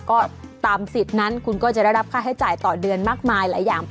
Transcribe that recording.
ก็ตามสิทธิ์นั้นคุณก็จะได้รับค่าใช้จ่ายต่อเดือนมากมายหลายอย่าง